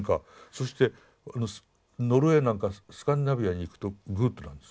そしてノルウェーなんかスカンディナビアに行くと「グッド」なんです。